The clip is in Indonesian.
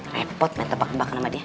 repot main tebak tebak sama dia